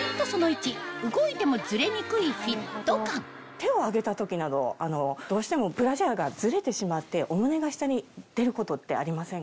手を上げた時などどうしてもブラジャーがずれてしまってお胸が下に出ることってありませんか？